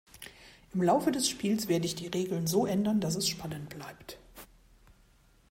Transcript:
Im Laufe des Spiels werde ich die Regeln so ändern, dass es spannend bleibt.